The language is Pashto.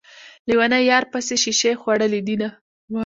ليونی يار پسې شيشې خوړلي دينه